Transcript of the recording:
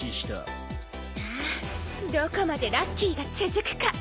さあどこまでラッキーが続くか。